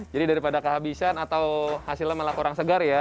jadi daripada kehabisan atau hasilnya malah kurang segar ya